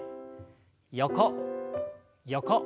横横。